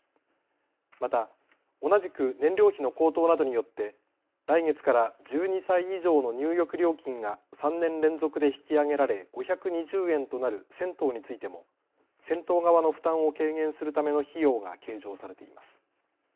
また同じく燃料費の高騰などによって来月から１２歳以上の入浴料金が３年連続で引き上げられ５２０円となる銭湯についても銭湯側の負担を軽減するための費用が計上されています。